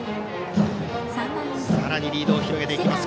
さらにリードを広げていきます